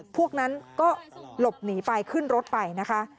พวกนั้นก็หลบหนีไปขึ้นรถไปนะคะ